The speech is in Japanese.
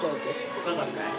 お母さんかい？